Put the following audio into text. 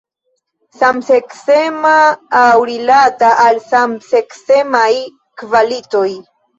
Samseksema aŭ rilata al samseksemaj kvalitoj.